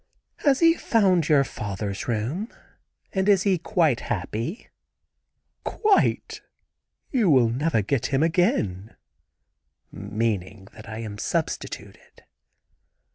"Has he found your father's room? and is he quite happy?" "Quite. You will never get him again," meaning that I am substituted.